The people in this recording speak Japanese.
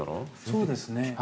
そうですねはい。